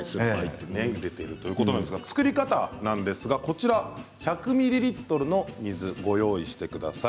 作り方ですが１００ミリリットルの水を用意してください。